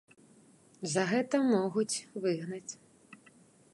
За гэта могуць выгнаць.